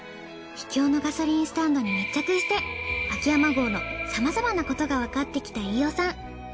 秘境のガソリンスタンドに密着して秋山郷のさまざまなことがわかってきた飯尾さん。